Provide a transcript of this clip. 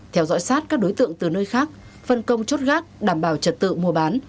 theo dõi sát các đối tượng từ nơi khác phân công chốt gác đảm bảo trật tự mua bán